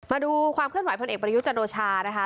มาดูความเคลื่อนไหวพลเอกประยุจันโอชานะคะ